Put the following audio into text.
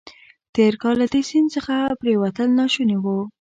تېر کال له دې سیند څخه پورېوتل ناشوني وو.